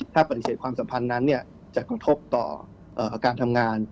ถ้าปฏิเสธความสัมพันธ์นั้นจะกระทบต่อการทำงาน